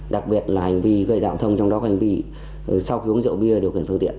đặc biệt là hành vi gây dạo thông trong đó có hành vi sau khi uống rượu bia điều khiển phương tiện